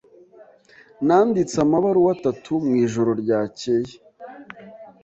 Nanditse amabaruwa atatu mwijoro ryakeye.